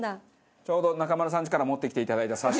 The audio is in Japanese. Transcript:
ちょうど中丸さんちから持ってきていただいたサッシ。